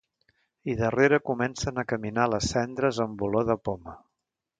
I darrere comencen a caminar les cendres amb olor de poma.